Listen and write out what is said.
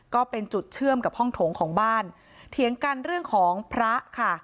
ก็เป็นจุดเชื่อมกับห้องโถงของบ้านเถียงกันเรื่องของพระค่ะ